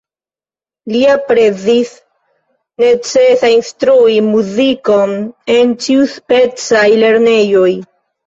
Li aprezis necesa instrui muzikon en ĉiuspecaj lernejoj.